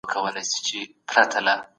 تاسي تل د نېکو خلګو سره کښېنئ.